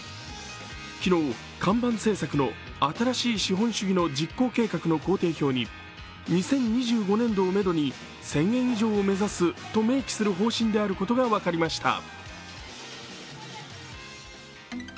昨日、看板政策の「新しい資本主義」の実行計画の工程表に２０２５年度をめどに１０００円以上を目指すと明記する方針であることが分かりました。